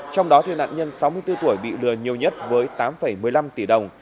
trong đó nạn nhân sáu mươi bốn tuổi bị lừa nhiều nhất với tám một mươi năm tỷ đồng